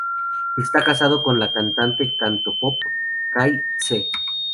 Está casado con la cantante cantopop Kay Tse.